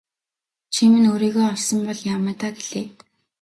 Чи минь өөрийгөө олсон бол яамай даа гэлээ.